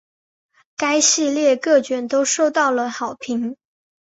该系列各卷都受到了好评。